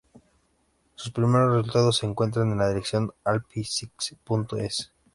Sus primeros resultados se encuentran en la dirección alpi.csic.es.